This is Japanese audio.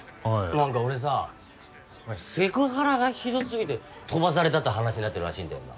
何か俺さセクハラがひどすぎて飛ばされたって話になってるらしいんだよな。